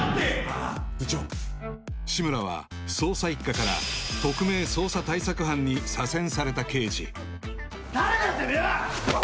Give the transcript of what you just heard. ああ部長志村は捜査一課から特命捜査対策班に左遷された刑事誰だてめえは！